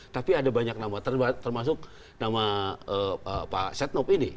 tapi ada banyak nama termasuk nama pak setnop ini